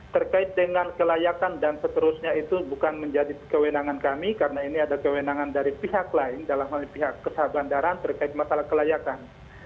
terkait dengan kelayakan dan seterusnya itu bukan menjadi kewenangan kami karena ini ada kewenangan dari pihak lain dalam hal ini pihak kesabaran terkait masalah kelayakan